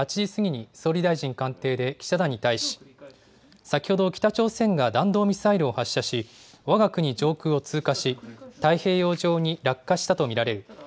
岸田総理大臣は午前８時過ぎに総理大臣官邸で記者団に対し、先ほど北朝鮮が弾道ミサイルを発射しわが国上空を通過し太平洋上に落下したと見られる。